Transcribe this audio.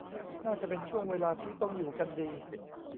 น่าจะเป็นช่วงเวลาที่ต้องอยู่กันดี